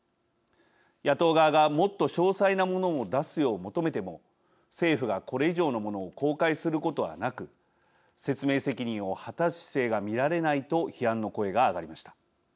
野党側がもっと詳細なものを出すよう求めても政府がこれ以上のものを公開することはなく説明責任を果たす姿勢が見られないと批判の声が上がりました。